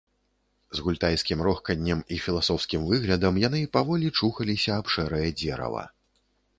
З гультайскім рохканнем і філасофскім выглядам яны паволі чухаліся аб шэрае дзерава.